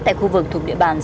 tại khu vực thủng địa bàn sáu